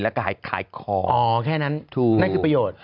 แล้วก็ขายของอ๋อแค่นั้นถูกนั่นคือประโยชน์